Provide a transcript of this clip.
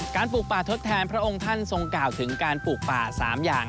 ปลูกป่าทดแทนพระองค์ท่านทรงกล่าวถึงการปลูกป่า๓อย่าง